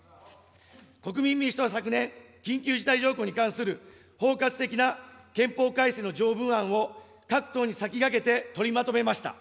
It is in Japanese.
国民民主党は昨年、緊急事態条項に関する包括的な憲法改正の条文案を各党に先駆けて取りまとめました。